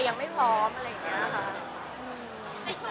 ก็ยังไม่มีใครเข้ามาคุยนะคะ